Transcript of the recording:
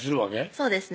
そうですね